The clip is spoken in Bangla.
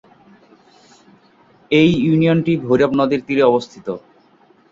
এই ইউনিয়ন টি ভৈরব নদের তীরে অবস্থিত।